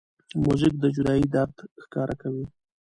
موزیک د جدایۍ درد ښکاره کوي.